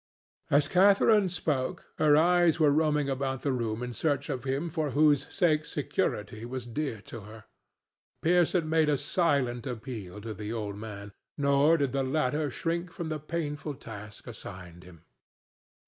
As Catharine spoke her eyes were roaming about the room in search of him for whose sake security was dear to her. Pearson made a silent appeal to the old man, nor did the latter shrink from the painful task assigned him.